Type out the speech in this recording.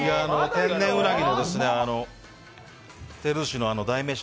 天然うなぎの照寿司の代名詞